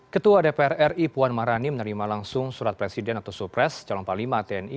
ketua dpr ri puan maharani menerima langsung surat presiden atau supres calon panglima tni